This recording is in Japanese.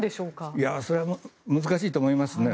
いやそれは難しいと思いますね。